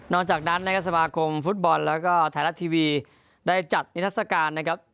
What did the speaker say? หลังจากนั้นนะครับสมาคมฟุตบอลแล้วก็ไทยรัฐทีวีได้จัดนิทัศกาลนะครับ